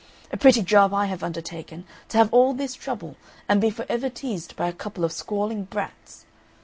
A pretty job I have undertaken, to have all this trouble and be for ever teased by a couple of squalling brats!